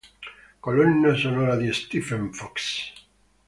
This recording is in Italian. Colonna sonora di Stephen Fox.